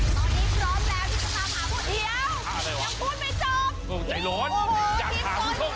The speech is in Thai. ตอนนี้พร้อมแล้วที่จะตามหาผู้เดียว